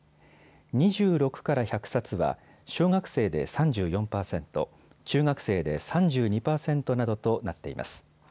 ２６から１００冊は小学生で３４％、中学生で３２％などとなっています。